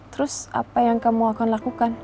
terus apa yang kamu akan lakukan